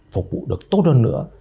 phục vụ được tốt hơn nữa